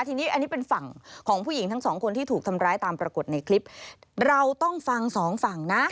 ทีนี้อันนี้เป็นฝั่งของผู้หญิงทั้งสองคนที่ถูกทำร้ายตามปรากฏในคลิปเราต้องฟังสองฝั่งนะ